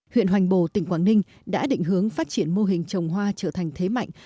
huyện hoành bồ tỉnh quảng ninh đã định hướng phát triển mô hình trồng hoa trở thành thế mạnh